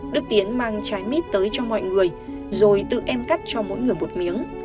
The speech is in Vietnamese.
đức tiến mang trái mít tới cho mọi người rồi tự em cắt cho mỗi người một miếng